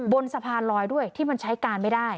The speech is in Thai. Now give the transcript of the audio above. บนสะพานลอยด้วยที่มันใช้การไม่ได้